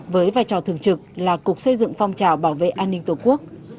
với vai trò thường trực là cục xây dựng phong trào bảo vệ an ninh tổ quốc